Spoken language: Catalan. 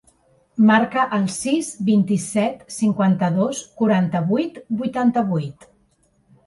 Marca el sis, vint-i-set, cinquanta-dos, quaranta-vuit, vuitanta-vuit.